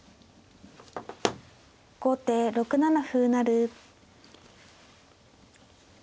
後手６七歩成。